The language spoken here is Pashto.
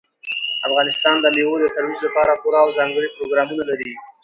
افغانستان د مېوو د ترویج لپاره پوره او ځانګړي پروګرامونه لري.